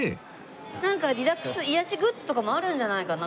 なんかリラックス癒やしグッズとかもあるんじゃないかな？